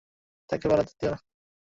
তাকে পালাতে দিও না।